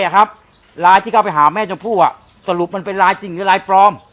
หลายที่เข้าไปหาแม่เจ้าผู้สรุปมันเป็นลายจริงหรือลายปลอม